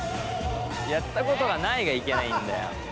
やったことがないがいけないんだよ。